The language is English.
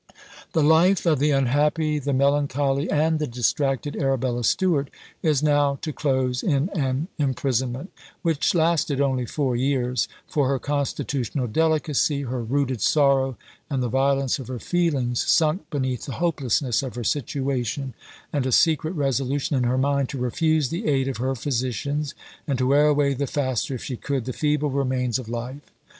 The life of the unhappy, the melancholy, and the distracted Arabella Stuart is now to close in an imprisonment, which lasted only four years; for her constitutional delicacy, her rooted sorrow, and the violence of her feelings, sunk beneath the hopelessness of her situation, and a secret resolution in her mind to refuse the aid of her physicians, and to wear away the faster if she could, the feeble remains of life.